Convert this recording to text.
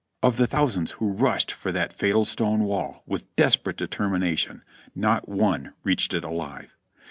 Of the thousands who ruslied for that fatal stone w all with desperate determination, not one reached it alive.